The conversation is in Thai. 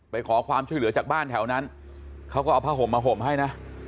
ไปขอความช่วยเหลือจากบ้านแถวนั้นเขาก็เอาผ้าห่มมาห่มให้นะ